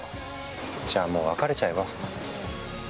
じゃあもう別れちゃえば？